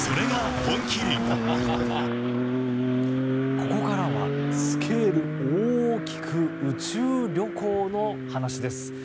ここからはスケール大きく宇宙旅行の話です。